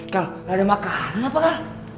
kal gak ada makanan apa kal